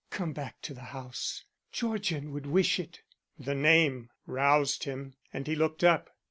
Come back to the house; Georgian would wish it." The name roused him and he looked up.